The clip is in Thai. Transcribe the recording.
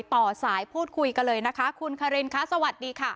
ต่อสายพูดคุยกันเลยนะคะคุณคารินคะสวัสดีค่ะ